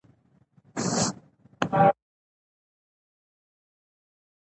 چنګلونه د افغان ځوانانو د هیلو استازیتوب کوي.